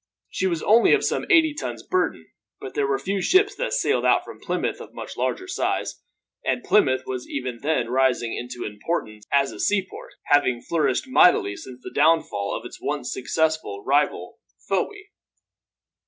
She was only of some eighty tons burden, but there were few ships that sailed out from Plymouth of much larger size; and Plymouth was even then rising into importance as a seaport, having flourished mightily since the downfall of its once successful rival Fowey.